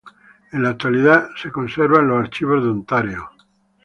En la actualidad se conserva en los Archivos de Ontario.